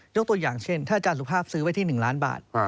ตัวอย่างเช่นถ้าอาจารย์สุภาพซื้อไว้ที่๑ล้านบาท